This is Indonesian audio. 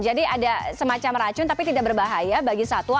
jadi ada semacam racun tapi tidak berbahaya bagi satwa